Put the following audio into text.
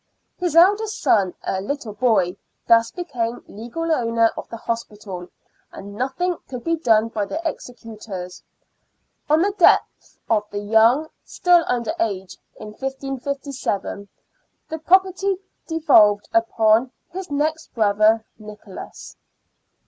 His eldest son, a little boy, thus became legal owner of the hospital, and nothing could be done by the executors. On the death of the youth, still under age, in 1557, the property devolved upon his next brother, Nicholas.